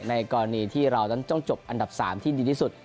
กรณีที่เรานั้นต้องจบอันดับ๓ที่ดีที่สุด